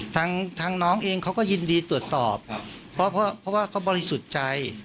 ทางทางน้องเองเขาก็ยินดีตรวจสอบครับเพราะเพราะเพราะว่าเขาบริสุจใจ